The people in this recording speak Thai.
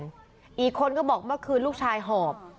บอกว่ามีคนก็บอกว่าขึ้นรู้ชายหอบ